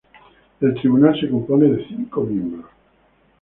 El Tribunal se compone de cinco miembros.